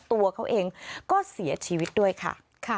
ตัวเขาเองก็เสียชีวิตด้วยค่ะ